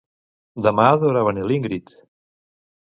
Demà deurà venir l'Íngrid